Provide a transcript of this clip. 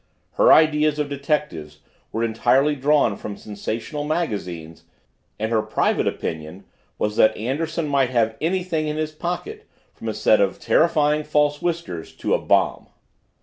Her ideas of detectives were entirely drawn from sensational magazines and her private opinion was that Anderson might have anything in his pocket from a set of terrifying false whiskers to a bomb!